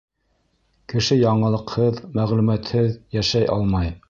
Кеше яңылыҡһыҙ, мәғлүмәтһеҙ йәшәй алмай.